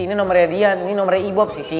ini nomornya dia ini nomornya i bob sisi